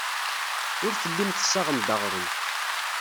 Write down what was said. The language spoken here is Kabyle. Ur tellim tessaɣem-d aɣrum.